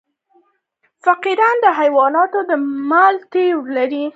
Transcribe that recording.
فقاریه حیوانات د ملا تیر لري